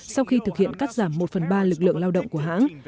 sau khi thực hiện cắt giảm một phần ba lực lượng lao động của hãng